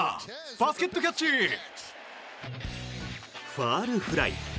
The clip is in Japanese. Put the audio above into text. ファウルフライ。